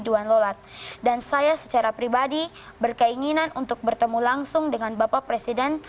tuan lolat dan saya secara pribadi berkeinginan untuk bertemu langsung dengan bapak presiden